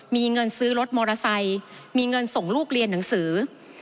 มีเงินซื้อรถมอเตอร์ไซค์มีเงินส่งลูกเรียนหนังสือ